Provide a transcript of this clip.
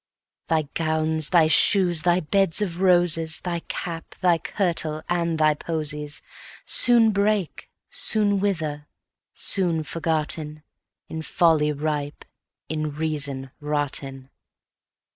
The gowns, thy shoes, thy beds of roses, Thy cap, thy kirtle, and thy posies Soon break, soon wither, soon forgotten,— In folly ripe, in reason rotten.